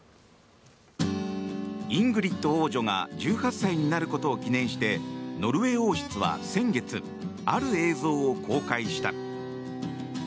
イングリッド王女が１８歳になることを記念してノルウェー王室は先月、ある映像を公開した。